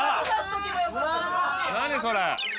何それ？